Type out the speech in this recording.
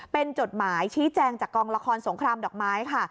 เป็นจดหมายชี้แจงจากกองละครสงครามดอกไม้ค่ะ